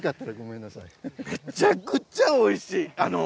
めちゃくちゃおいしい！